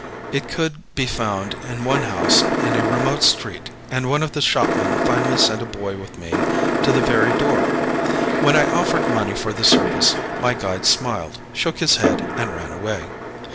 It could be found in one house in a remote street, and one of the shopmen finally sent a boy with me to the very door. When I offered money for the service, my guide smiled, shook his head, and ran away.